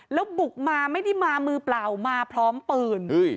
แล้วบุกมาไม่ได้มามือเปล่ามาพร้อมปืน